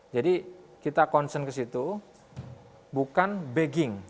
jadi kita konsen ke situ bukan bagging